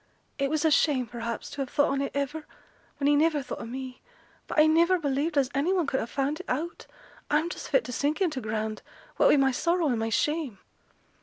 It was a shame, perhaps, to have thought on it iver, when he niver thought o' me; but I niver believed as any one could ha' found it out. I'm just fit to sink into t' ground, what wi' my sorrow and my shame.'